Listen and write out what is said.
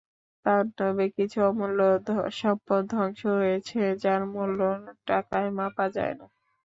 তাণ্ডবে কিছু অমূল্য সম্পদ ধ্বংস হয়েছে, যার মূল্য টাকায় মাপা যায় না।